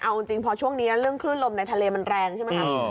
เอาจริงพอช่วงนี้เรื่องคลื่นลมในทะเลมันแรงใช่ไหมครับ